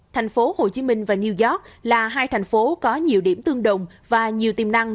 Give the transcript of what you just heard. tp hcm và new york là hai thành phố có nhiều điểm tương đồng và nhiều tiềm năng